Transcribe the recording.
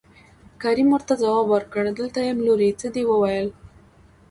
کريم ورته ځواب ورکړ دلته يم لورې څه دې وويل.